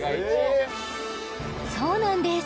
そうなんです